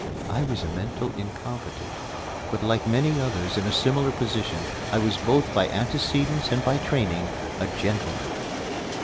I was a mental incompetent, but like many others in a similar position I was both by antecedents and by training a gentleman.